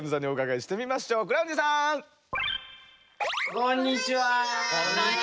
こんにちは。